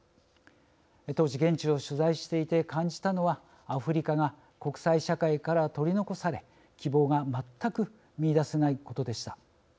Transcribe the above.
当時現地を取材していて感じたのはアフリカが国際社会から取り残され希望が全く見いだせないことでした。